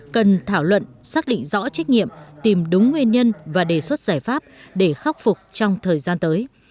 cần thảo luận xác định rõ trách nhiệm tìm đúng nguyên nhân và đề xuất giải pháp để khắc phục trong thời gian tới